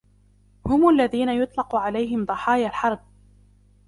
هم الذين يطلق عليهم ضحايا الحرب.